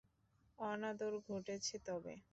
অনাদর ঘটেছে তবে?